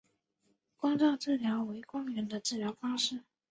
光照治疗为光源的治疗方式。